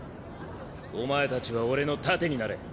お前たちは俺の盾になれ。